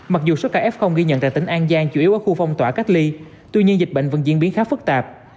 mặc dù số ca f ghi nhận tại tỉnh an giang chủ yếu ở khu phong tỏa cách ly tuy nhiên dịch bệnh vẫn diễn biến khá phức tạp